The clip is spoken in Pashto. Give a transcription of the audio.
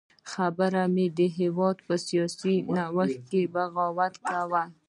خبره مې د هېواد په سیاسي سرنوشت کې د بغاوت کوله.